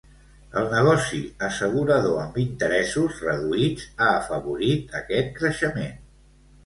El negoci assegurador amb interessos reduïts ha afavorit aquest creixement.